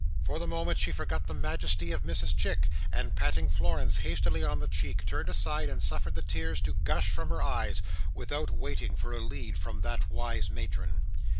For the moment she forgot the majesty of Mrs Chick, and, patting Florence hastily on the cheek, turned aside and suffered the tears to gush from her eyes, without waiting for a lead from that wise matron.